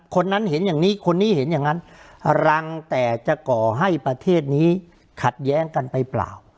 คนนั้นเห็นอย่างนี้คนนี้เห็นอย่างนั้นรังแต่จะก่อให้ประเทศนี้ขัดแย้งกันไปเปล่า